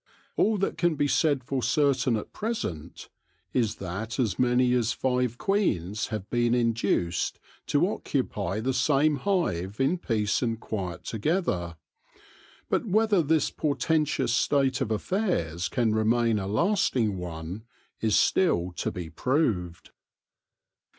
All that can be said for certain at present is that as many as five queens have been induced to occupy the same hive in peace and quiet together ; but whether this portentous state of affairs can re main a lasting one is still to be proved.